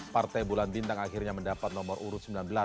partai bulan bintang akhirnya mendapat nomor urut sembilan belas